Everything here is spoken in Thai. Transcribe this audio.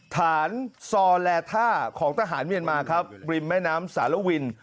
ฐานซอแลท่าของทหารเมียนมาครับริมแม่น้ำสารวิน